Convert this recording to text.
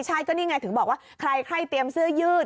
ใช่ก็นี่ไงถึงบอกว่าใครเตรียมเสื้อยืด